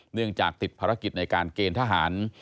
เนื่องจากติดภารกิจในการเกณฑ์ทหาร